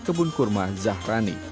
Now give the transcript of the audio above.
di kebun kurma zahrani